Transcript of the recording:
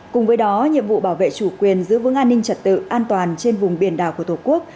cùng với đó nhiệm vụ bảo vệ chủ quyền giữ vững an ninh trật tự an toàn trên vùng biển đảo của tổ quốc